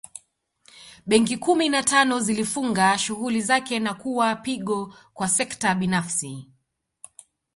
Benki kumi na tano zilifunga shughuli zake na kuwa pigo kwa sekta binafsi